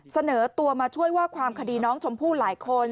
เสนอตัวมาช่วยว่าความคดีน้องชมพู่หลายคน